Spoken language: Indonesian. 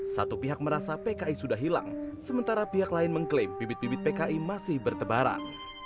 satu pihak merasa pki sudah hilang sementara pihak lain mengklaim bibit bibit pki masih bertebaran